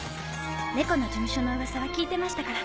猫の事務所の噂は聞いてましたから。